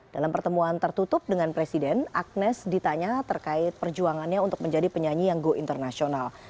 dalam pertemuan tertutup dengan presiden agnes ditanya terkait perjuangannya untuk menjadi penyanyi yang go internasional